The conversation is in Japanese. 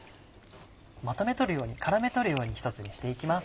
まとめ取るように絡め取るように１つにしていきます。